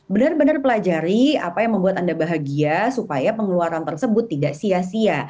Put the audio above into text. benar benar pelajari apa yang membuat anda bahagia supaya pengeluaran tersebut tidak sia sia